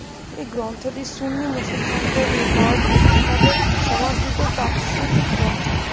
এই গ্রন্থটি সুন্নি মুসলমানদের নিকট বিশেষভাবে সমাদৃত তাফসির গ্রন্থ।